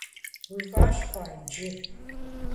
Уи фӀэщ хъуа иджы?